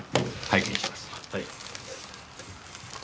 はい。